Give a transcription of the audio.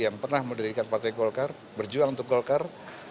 yang pernah mendirikan partai golkar berjuang untuk golkar